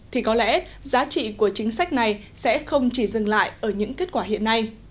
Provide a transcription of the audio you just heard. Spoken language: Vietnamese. thì có lẽ giá trị của chính sách này sẽ không chỉ dừng lại ở những kết quả hiện nay